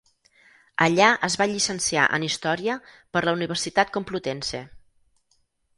Allà es va llicenciar en història per la Universitat Complutense.